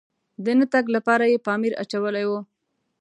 د نه تګ لپاره یې پامپر اچولی و.